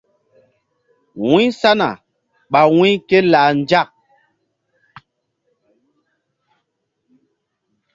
Wu̧y sana ɓa wu̧y ké lah nzak.